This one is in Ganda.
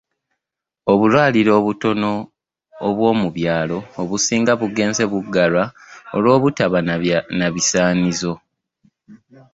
Obulwaliro obutono obw'omu byalo obusinga bugenze buggalwa olw'obutaba na bisaanyizo